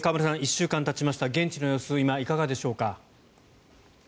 １週間たちました現地の様子、今いかがでしょう。